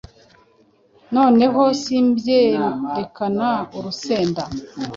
Noneho simbyerekana urusenda